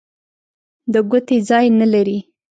د ګوتې ځای نه لري.